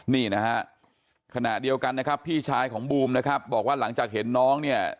นี่นะฮะขณะเดียวกันนะครับพี่ชายของบูมนะครับบอกว่าหลังจากเห็นน้องเนี่ย